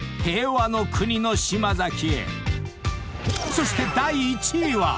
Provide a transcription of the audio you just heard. ［そして第１位は］